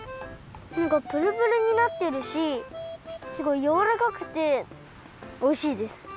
なんかプルプルになってるしすごいやわらかくておいしいです。